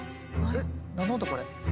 えっ何の音これ？